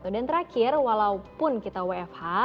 dan terakhir walaupun kita wfh